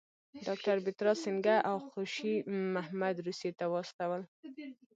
ډاکټر مترا سینګه او خوشي محمد روسیې ته واستول.